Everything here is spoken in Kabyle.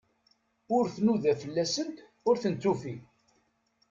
Ur tnuda fell-asent, ur tent-tufi.